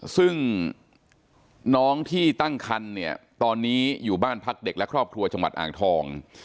ซึ่งน้องที่ตั้งคันเนี่ยตอนนี้อยู่บ้านพักเด็กและครอบครัวจังหวัดอ่างทอง